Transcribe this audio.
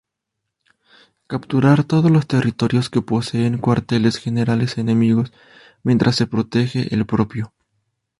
Capturar todos los territorios que poseen cuarteles generales enemigos mientras se protege el propio.